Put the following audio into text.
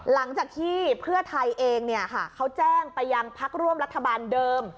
หลังจากที่เพื่อไทยเองเขาแจ้งไปยังพักร่วมรัฐบาลเดิม